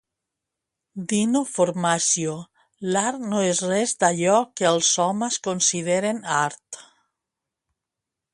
Dino Formaggio "L'art no és res d'allò que els homes consideren art".